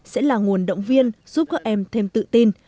sẽ là nguồn động viên giúp các em thêm tự tin